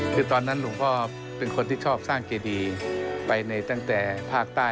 ในค่าความคิดของตัวศาลข้างหลวงพ่อหนุ่มมก็คิดว่า